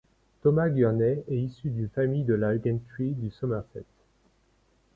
Thomas Gurney est issu d'une famille de la gentry du Somerset.